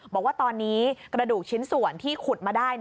บอกว่าตอนนี้กระดูกชิ้นส่วนที่ขุดมาได้